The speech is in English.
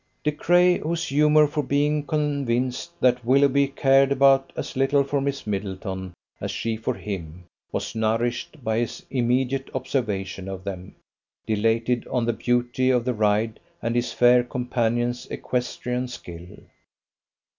De Craye, whose humour for being convinced that Willoughby cared about as little for Miss Middleton as she for him was nourished by his immediate observation of them, dilated on the beauty of the ride and his fair companion's equestrian skill.